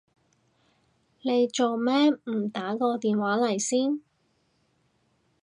你做咩唔打個電話嚟先？